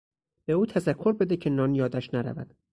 به او تذکر بده که نان یادش نرود.